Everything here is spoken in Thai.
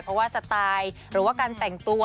เพราะว่าสไตล์หรือว่าการแต่งตัว